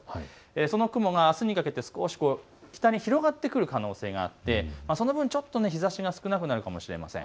その雲があすにかけて北に広がってくる可能性があって、その分ちょっと日ざしが少なくなるかもしれません。